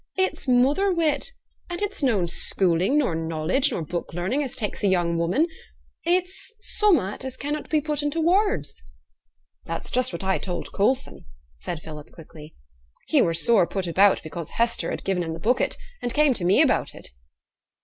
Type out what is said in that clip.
It's mother wit. And it's noane schooling, nor knowledge, nor book learning as takes a young woman. It's summat as cannot be put into words.' 'That's just what I told Coulson!' said Philip, quickly. 'He were sore put about because Hester had gi'en him the bucket, and came to me about it.'